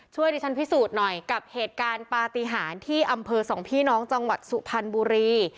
ที่ฉันพิสูจน์หน่อยกับเหตุการณ์ปฏิหารที่อำเภอสองพี่น้องจังหวัดสุพรรณบุรี